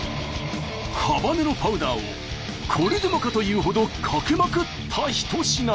ハバネロパウダーをこれでもかというほどかけまくった一品です。